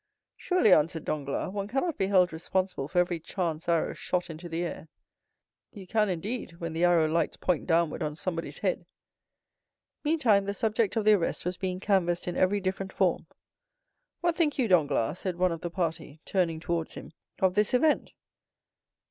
"Surely," answered Danglars, "one cannot be held responsible for every chance arrow shot into the air." "You can, indeed, when the arrow lights point downward on somebody's head." Meantime the subject of the arrest was being canvassed in every different form. "What think you, Danglars," said one of the party, turning towards him, "of this event?"